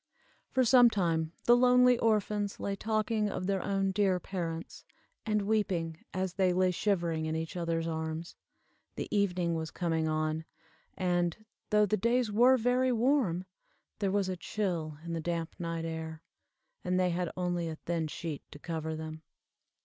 For some time the lonely orphans lay talking of their own dear parents, and weeping, as they lay shivering in each other's arms. The evening was coming on, and, though the days were very warm, there was a chill in the damp night air, and they had only a thin sheet to cover them.